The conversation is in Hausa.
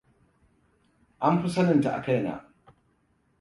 An fi saninta a kaina.